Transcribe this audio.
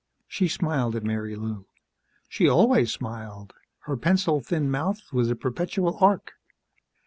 She smiled at Marilou. She always smiled; her pencil thin mouth was a perpetual arc.